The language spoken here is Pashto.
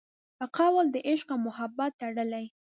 قول د عشق او محبت تړلي